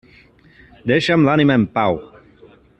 Deixa'm l'ànima en pau.